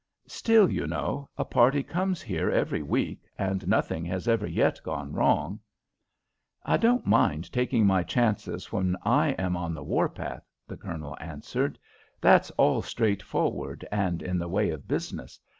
"Still, you know, a party comes here every week, and nothing has ever yet gone wrong." "I don't mind taking my chances when I am on the war path," the Colonel answered. "That's all straightforward and in the way of business.